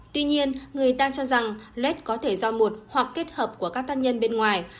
tuy nhiên người ta cho rằng led có thể do một hoặc kết hợp của các thân nhân bên ngoài